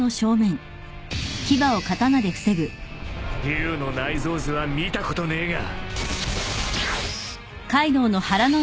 龍の内臓図は見たことねえが。